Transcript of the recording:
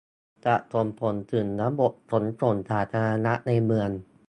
จะส่งผลถึงระบบขนส่งสาธารณะในเมือง